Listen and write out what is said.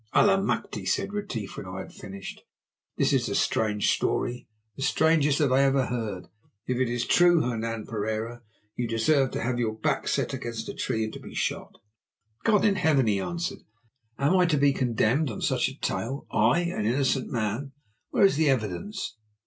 "Allemachte!" said Retief when I had finished, "this is a strange story, the strangest that ever I heard. If it is true, Hernan Pereira, you deserve to have your back set against a tree and to be shot." "God in heaven!" he answered, "am I to be condemned on such a tale—I, an innocent man? Where is the evidence?